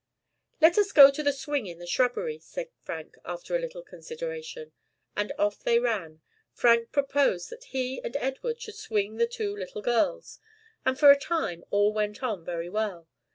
"Let us go to the swing in the shrubbery," said Frank, after a little consideration; and off they ran. Frank proposed that he and Edward should swing the two little girls; and for a time all went on very well.